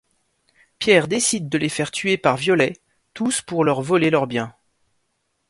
Pierre décide de les faire tuer par Violet, tous pour leur voler leurs biens.